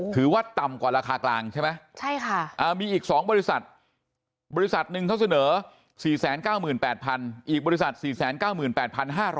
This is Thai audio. ถือว่าต่ำกว่าราคากลางใช่ไหมมีอีก๒บริษัทบริษัทหนึ่งเขาเสนอ๔๙๘๐๐๐อีกบริษัท๔๙๘๕๐๐